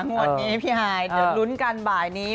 งวดนี้พี่หายหลุ้นกันบ่ายนี้